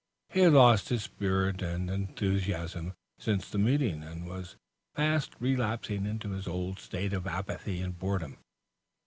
He had lost his spirit and enthusiasm since the meeting, and was fast relapsing into his old state of apathy and boredom.